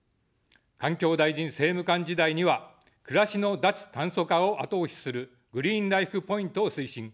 環境大臣政務官時代には、暮らしの脱炭素化を後押しするグリーンライフ・ポイントを推進。